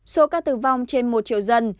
số ca tử vong trên một triệu dân